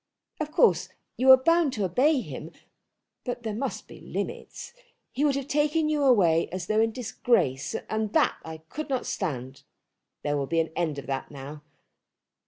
Of course you are bound to obey him; but there must be limits. He would have taken you away as though in disgrace, and that I could not stand. There will be an end of that now.